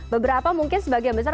beberapa mungkin sebagian besar